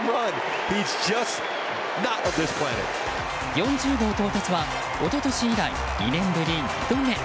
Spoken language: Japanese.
４０号到達は一昨年以来２年ぶり２度目。